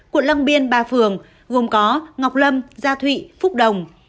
quận long biên ba phường gồm có ngọc lâm gia thụy phúc đồng